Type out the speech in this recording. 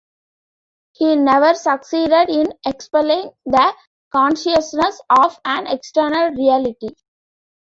He never succeeded in expelling the consciousness of an external reality.